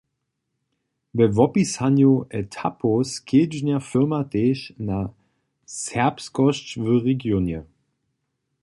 We wopisanju etapow skedźbnja firma tež na serbskosć w regionje.